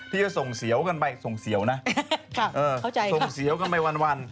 ที่จะส่งเสียวกันไปส่งเสียวนะส่งเสียวกันไปวัน